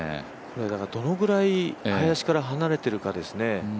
どのぐらい林から離れているかですね。